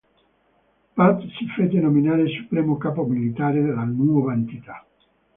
Paz si fece nominare Supremo Capo Militare della nuova entità.